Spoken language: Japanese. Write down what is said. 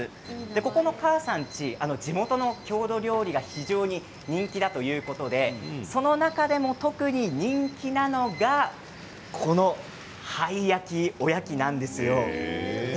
そこのかあさん家地元の郷土料理が非常に人気だということでその中でも特に人気なのがこの灰焼きおやきなんです。